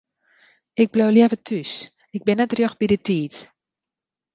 Ik bliuw leaver thús, ik bin net rjocht by de tiid.